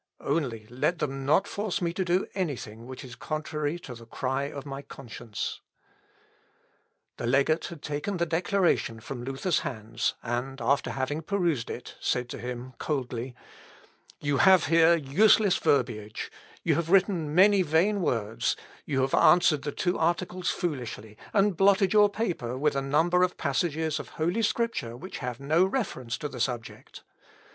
Only let them not force me to do anything which is contrary to the cry of my conscience." The legate had taken the declaration from Luther's hands, and after having perused it, said to him coldly, "You have here useless verbiage, you have written many vain words; you have answered the two articles foolishly, and blotted your paper with a number of passages of holy Scripture which have no reference to the subject."